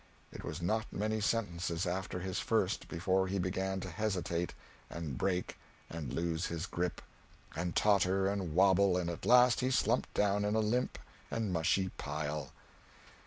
It was not many sentences after his first before he began to hesitate, and break, and lose his grip, and totter, and wobble, and at last he slumped down in a limp and mushy pile.